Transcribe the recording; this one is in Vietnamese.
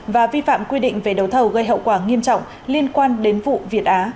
và vi phạm quy định về đấu thầu gây hậu quả nghiêm trọng liên quan đến vụ việt á